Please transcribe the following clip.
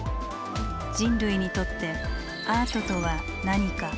人類にとってアートとは何か。